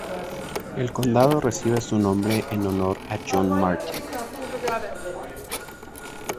El condado recibe su nombre en honor a John Martin.